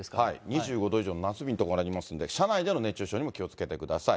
２５度以上の夏日の所ありますので、車内での熱中症にも気をつけてください。